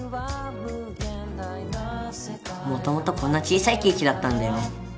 もともとこんな小さいケーキだったんだよ。